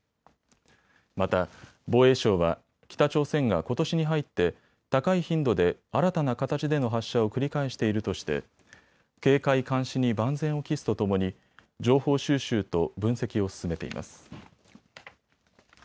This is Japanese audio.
また、防衛省は北朝鮮がことしに入って高い頻度で新たな形での発射を繰り返しているとして警戒・監視に万全を期すとともに情報収集と分析を進めています。